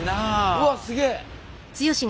うわっすげえ。